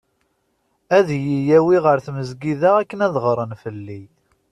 Ad iyi-yawi ɣer tmezgida akken ad ɣren fell-i.